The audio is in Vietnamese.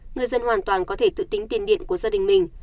người dân hoàn toàn có thể tự tính tiền điện của gia đình mình